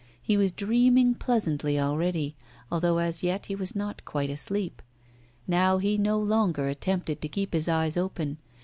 He was dreaming pleasantly already, although, as yet, he was not quite asleep. Now he no longer attempted to keep his eyes open.